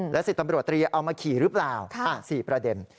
๑๐ตำรวจตรีเอามาขี่หรือเปล่า๔ประเด็น